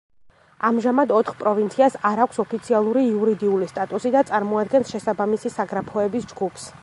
ამჟამად ოთხ პროვინციას არ აქვს ოფიციალური იურიდიული სტატუსი და წარმოადგენს შესაბამისი საგრაფოების ჯგუფს.